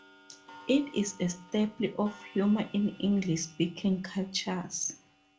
It is a staple of humour in English-speaking cultures.